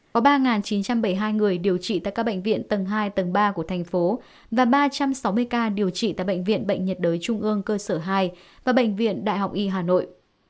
có ba chín trăm bảy mươi hai người điều trị tại các bệnh viện tầng hai tầng ba của thành phố và ba trăm sáu mươi ca điều trị tại bệnh viện bệnh nhiệt đới trung ương cơ sở hai và bệnh viện đại học y hà nội